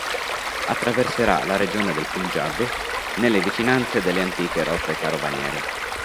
Attraverserà la regione del Punjab nelle vicinanze delle antiche rotte carovaniere.